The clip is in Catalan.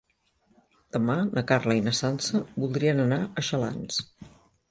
Demà na Carla i na Sança voldrien anar a Xalans.